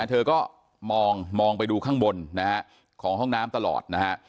เธอก็มองไปดูข้างบนนะฮะของห้องน้ำตลอดนะฮะ